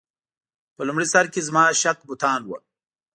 په لومړي سر کې زما شک بتان و.